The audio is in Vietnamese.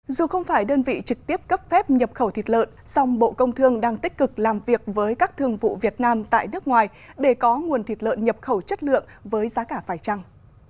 dù không phải đơn vị trực tiếp cấp phép nhập khẩu thịt lợn song bộ công thương đang tích cực làm việc với các thương vụ việt nam tại nước ngoài để có nguồn thịt lợn nhập khẩu chất lượng với giá cả phải trăng